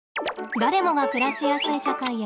誰もが暮らしやすい社会へ。